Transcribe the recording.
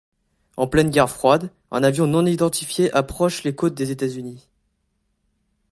En pleine guerre froide, un avion non identifié approche les côtes des États-Unis.